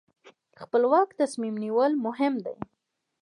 خپلواک تصمیم نیول مهم دي.